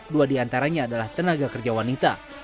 dua diantaranya adalah tenaga kerja wanita